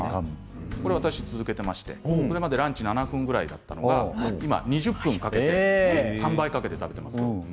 私は続けていてこれまでランチ７分だったのが今、２０分かけて３倍かけて食べています。